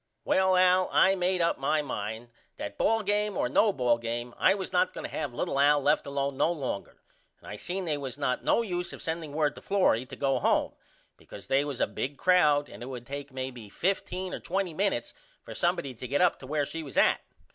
Well Al I made up my mind that ball game or no ball game I was not going to have little Al left alone no longer and I seen they was not no use of sending word to Florrie to go home because they was a big crowd and it would take maybe 15 or 20 minutes for somebody to get up to where she was at.